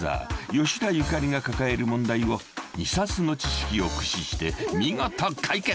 吉田ゆかりが抱える問題を２サスの知識を駆使して見事解決！］